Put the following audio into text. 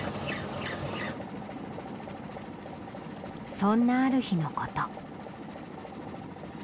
そんなある日の事。